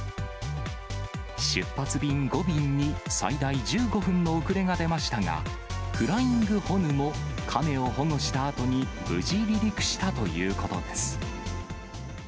出発便５便に最大１５分の遅れが出ましたが、フライングホヌもカメを保護したあとに無事離陸したということです。